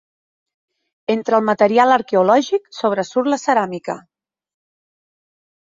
Entre el material arqueològic sobresurt la ceràmica.